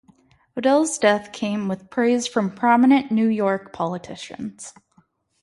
Odell's death came with praise from prominent New York politicians.